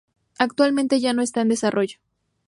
Actualmente ya no está en desarrollo.